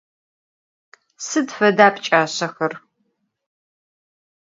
Sıd feda pç'aşsexer?